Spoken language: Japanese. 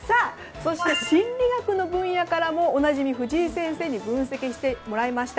そして、心理学の分野からもおなじみ藤井先生から分析してもらいました。